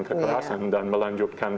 kekerasan dan melanjutkan